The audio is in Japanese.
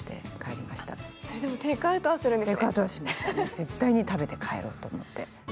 絶対に食べて帰ろうと思って。